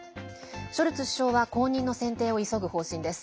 ショルツ首相は後任の選定を急ぐ方針です。